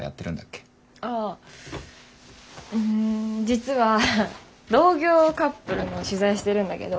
ああ実は同業カップルの取材してるんだけど。